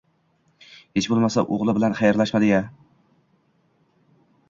Hech bo‘lmasa, o‘g‘li bilan xayrlashmadi-ya.